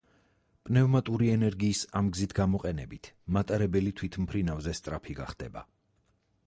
პნევმატური ენერგიის ამ გზით გამოყენებით, მატარებელი თვითმფრინავზე სწრაფი გახდება.